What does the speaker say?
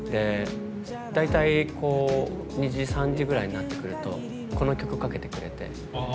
大体２時３時ぐらいになってくるとこの曲かけてくれて。